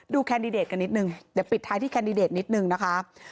แคนดิเดตกันนิดนึงเดี๋ยวปิดท้ายที่แคนดิเดตนิดนึงนะคะ